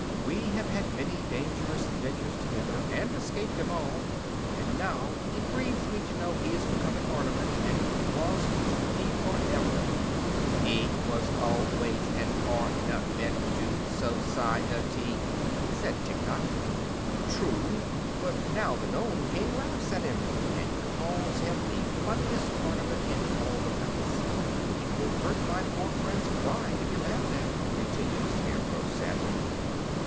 We have had many dangerous adventures together, and escaped them all, and now it grieves me to know he has become an ornament, and is lost to me forever." "He was al ways an or na ment to so ci e ty," said Tiktok. "True; but now the Nome King laughs at him, and calls him the funniest ornament in all the palace. It will hurt my poor friend's pride to be laughed at," continued the Scarecrow, sadly.